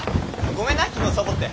ごめんな昨日サボって。